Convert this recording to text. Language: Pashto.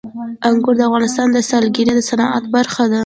انګور د افغانستان د سیلګرۍ د صنعت برخه ده.